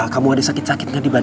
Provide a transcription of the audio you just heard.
kamu ada sakit sakitnya di badan